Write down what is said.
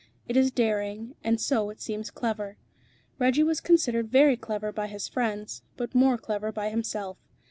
It is daring, and so it seems clever. Reggie was considered very clever by his friends, but more clever by himself.